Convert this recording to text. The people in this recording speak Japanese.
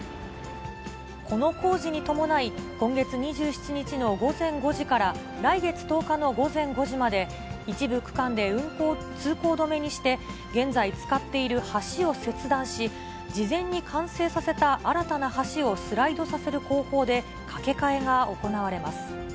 この工事に伴い、今月２７日の午前５時から来月１０日の午前５時まで、一部区間で通行止めにして、現在使っている橋を切断し、事前に完成させた新たな橋をスライドさせる工法で架け替えが行われます。